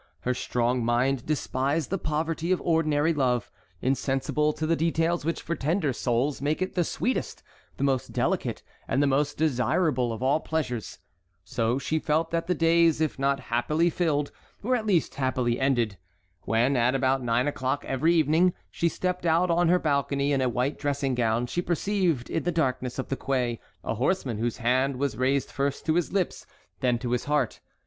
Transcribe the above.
Her strong mind despised the poverty of ordinary love, insensible to the details which for tender souls make it the sweetest, the most delicate, and the most desirable of all pleasures. So she felt that the days, if not happily filled, were at least happily ended. When, at about nine o'clock every evening, she stepped out on her balcony in a white dressing gown, she perceived in the darkness of the quay a horseman whose hand was raised first to his lips, then to his heart.